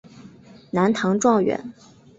南唐状元。